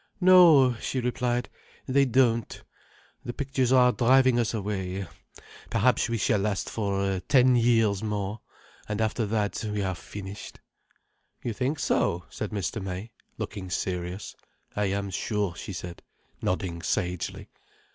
"No," she replied. "They don't. The pictures are driving us away. Perhaps we shall last for ten years more. And after that, we are finished." "You think so," said Mr. May, looking serious. "I am sure," she said, nodding sagely.